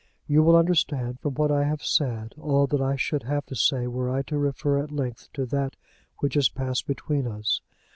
You will understand from what I have said all that I should have to say were I to refer at length to that which has passed between us.